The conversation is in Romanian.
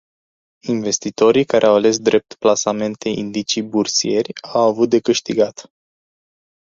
Investitorii care au ales drept plasamente indicii bursieri, au avut de câștigat.